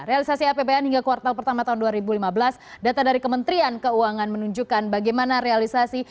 realisasi apbn hingga kuartal pertama tahun dua ribu lima belas data dari kementerian keuangan menunjukkan bagaimana realisasi